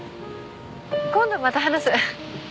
今度また話す。